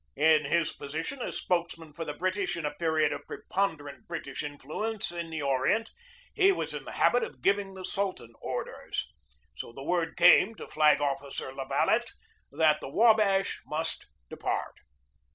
In his position as spokesman for the British in a period of preponderant British influ ence in the Orient, he was in the habit of giving the Sultan orders. So the word came to Flag Officer La Valette that the Wabash must depart.